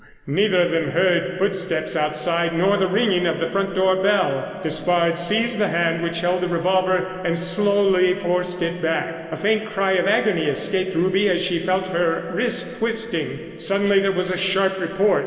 Neither of them heard footsteps outside, nor the ringing of the front door bell. Despard seized the hand which held the revolver and slowly forced it back. A faint cry of agony escaped Ruby as she felt her wrist twisting. Suddenly there was a sharp report.